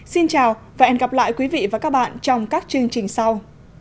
xin chào và hẹn gặp lại quý vị và các bạn trong các chương trình sau